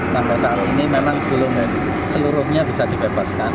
nah pada saat ini memang seluruhnya bisa dibebaskan